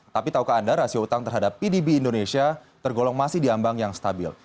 tapi tahukah anda rasio utang terhadap pdb indonesia tergolong masih diambang yang stabil